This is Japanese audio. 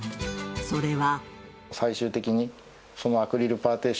それは。